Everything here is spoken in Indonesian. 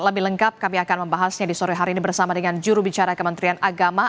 lebih lengkap kami akan membahasnya di sore hari ini bersama dengan jurubicara kementerian agama